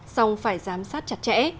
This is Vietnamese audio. xong phải giám sát chặt chẽ